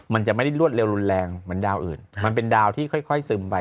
มันจะไม่ได้รวดเร็วรุนแรงเหมือนดาวอื่นมันเป็นดาวที่ค่อยซึมไป